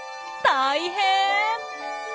大変！